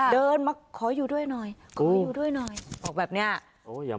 เดินมาขออยู่ด้วยหน่อย